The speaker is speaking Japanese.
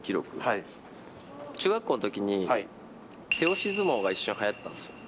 中学校のときに、手押し相撲が一瞬はやったんですよ。